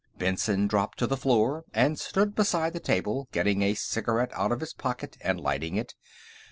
Benson dropped to the floor and stood beside the table, getting a cigarette out of his pocket and lighting it.